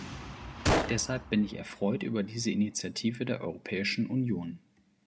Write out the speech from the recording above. Deshalb bin ich erfreut über diese Initiative der Europäischen Union.